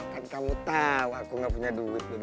kan kamu tau aku gak punya duit beb